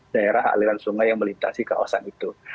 daerah aliran sungai yang melintasi kawasan itu